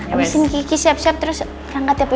abisin kiki siap siap terus rangkat ya bu ya